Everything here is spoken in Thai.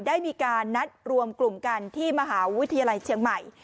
ได้มีการนัดรวมกลุ่มกันที่มหาวิทยาลัยเชียงใหม่